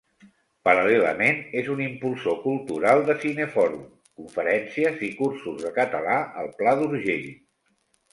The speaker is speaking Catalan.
Paral·lelament, és un impulsor cultural de cinefòrum, conferències i cursos de català al Pla d'Urgell.